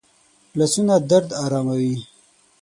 لاسونه درد آراموي